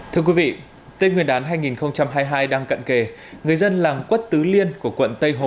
thưa quý vị tết nguyên đán hai nghìn hai mươi hai đang cận kề người dân làng quất tứ liên của quận tây hồ